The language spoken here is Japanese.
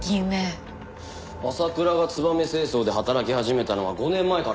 朝倉がツバメ清掃で働き始めたのは５年前からです。